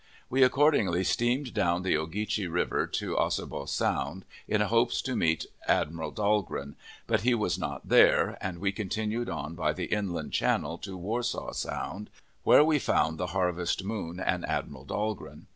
We accordingly steamed down the Ogeechee River to Ossabaw Sound, in hopes to meet Admiral Dahlgren, but he was not there, and we continued on by the inland channel to Warsaw Sound, where we found the Harvest Moon, and Admiral Dahlgren.